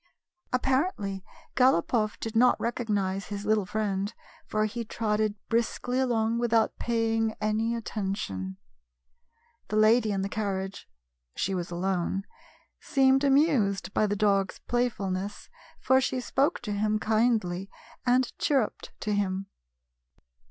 Apparently, Galopoff did not recognize his little friend, for he trotted briskly along with out paying any attention. The lady in the car riage — she was alone — seemed amused by the dog's playfulness, for she spoke to him kindly, and cliirrujied to him.